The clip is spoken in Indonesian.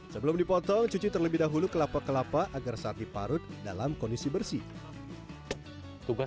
sebelum dipotong cuci terlebih dahulu kelapa kelapa agar saat diparut dalam kondisi bersih tugas